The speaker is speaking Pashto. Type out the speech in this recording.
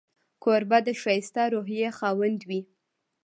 کوربه د ښایسته روحيې خاوند وي.